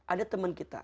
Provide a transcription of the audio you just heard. ada teman kita